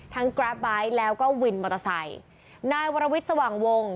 กราฟไบท์แล้วก็วินมอเตอร์ไซค์นายวรวิทย์สว่างวง